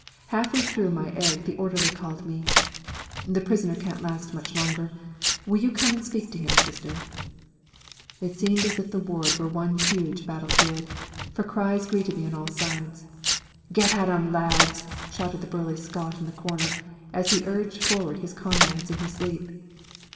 Half way through my egg the orderly called me: "The prisoner can't last much longer. Will you come and speak to him, Sister?" It seemed as if the ward were one huge battlefield, for cries greeted me on all sides. "Get at 'em, lads!" shouted the burly Scot in the corner as he urged forward his comrades in his sleep.